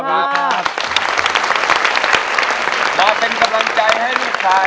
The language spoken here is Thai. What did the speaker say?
มาเป็นกำลังใจให้ลูกชาย